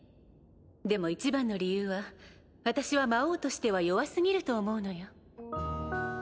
でも一番の理由は私は魔王としては弱過ぎると思うのよ。